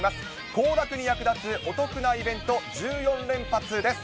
行楽に役立つお得なイベント１４連発です。